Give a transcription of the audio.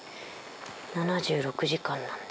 ７６時間なので。